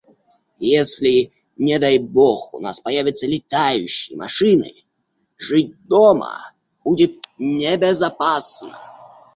Если, не дай бог, у нас появятся летающие машины, жить дома будет небезопасно.